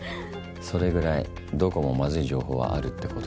それぐらいどこもまずい情報はあるってこと。